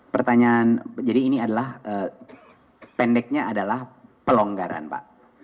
pertanyaan jadi ini adalah pendeknya adalah pelonggaran pak